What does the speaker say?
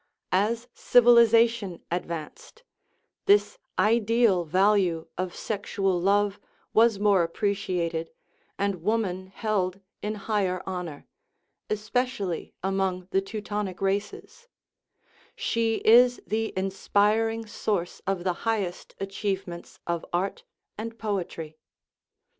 As civilization advanced, this ideal value of sexual love was more appreciated, and woman held in higher honor, especially among the Teutonic races ; she is the inspiring source of the high est achievements of art and poetry.